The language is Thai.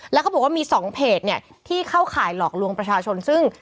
แล้วเขาบอกว่ามี๒เพจเนี่ยที่เข้าข่ายหลอกลวงประชาชนซึ่ง